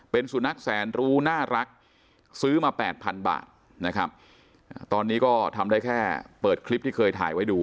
เป็นสุนัขแสนรู้น่ารักซื้อมาแปดพันบาทนะครับตอนนี้ก็ทำได้แค่เปิดคลิปที่เคยถ่ายไว้ดู